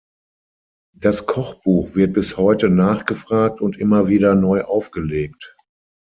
Das Kochbuch wird bis heute nachgefragt und immer wieder neu aufgelegt.